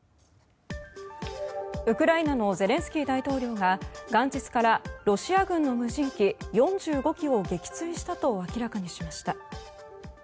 ウクライナのゼレンスキー大統領が元日からロシア軍の無人機４５機を撃墜したと明らかにしました。